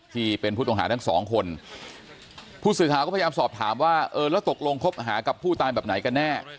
ที่เป็นผู้ต้องหาทั้งสองคนผู้สื่อข่าวก็พยายามสอบถามว่าเออแล้วตกลงคบหากับผู้ตายแบบไหนกันแน่